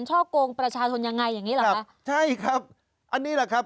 ช่อกงประชาชนยังไงอย่างงี้เหรอคะใช่ครับอันนี้แหละครับ